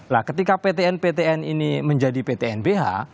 nah ketika ptn ptn ini menjadi pt nbh